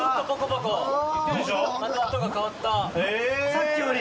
さっきより。